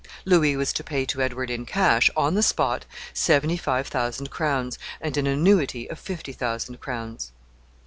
Louis was to pay to Edward in cash, on the spot, seventy five thousand crowns, and an annuity of fifty thousand crowns.